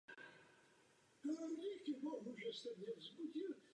Několik izraelských vojáků bylo postaveno před vojenský soud za zabíjení civilistů.